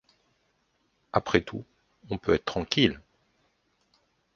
Après tout, on peut être tranquille.